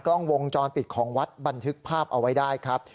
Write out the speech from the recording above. กล้องวงจรปิดของวัดบันทึกภาพเอาไว้ได้ครับ